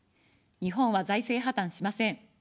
日本は財政破綻しません。